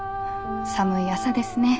寒い朝ですね。